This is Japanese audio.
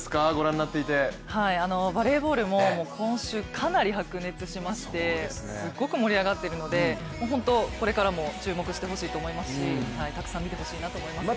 バレーボールも今週かなり白熱しまして、すっごく盛り上がっているのでこれからも注目してほしいと思いますしたくさん見てほしいなと思いますね。